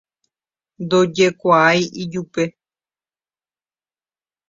ndojekuaái ijupe